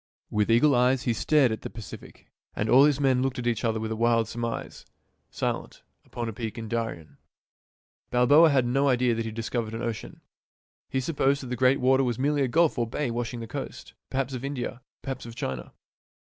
"With eagle eyes He stared at the Pacific, — and all his men Looked at each other with a wild surmise — Silent, upon a peak in Darien." Balboa had no idea that he had discovered an ocean. He supposed that the great water was merely a gulf or bay washing the coast, perhaps of India, perhaps of China.